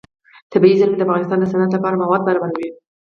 طبیعي زیرمې د افغانستان د صنعت لپاره مواد برابروي.